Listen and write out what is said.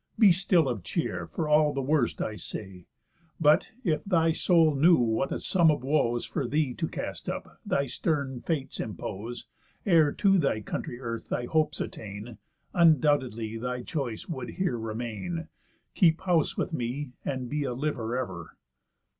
Be still of cheer, for all the worst I say. But, if thy soul knew what a sum of woes, For thee to cast up, thy stern Fates impose, Ere to thy country earth thy hopes attain, Undoubtedly thy choice would here remain, Keep house with me, and be a liver ever.